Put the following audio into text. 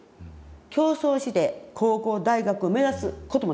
競争して高校大学目指すこともできる。